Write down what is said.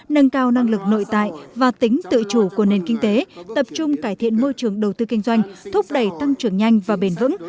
nâng cao năng lực nội tại và tính tự chủ của nền kinh tế tập trung cải thiện môi trường đầu tư kinh doanh thúc đẩy tăng trưởng nhanh và bền vững